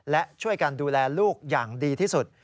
และช่วยกันดูแลลูกอย่างดีที่สุด